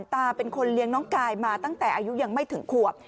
ตาเป็นคนเลี้ยงน้องกายมาตั้งแต่อายุยังไม่ถึงขวบ